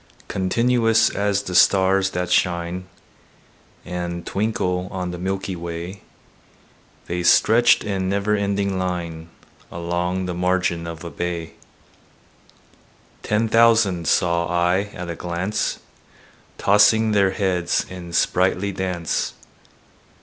Continuous as the stars that shine And twinkle on the milky way, The stretched in never ending line Along the margin of a bay: Ten thousand saw I at a glance, Tossing their heads in sprightly dance.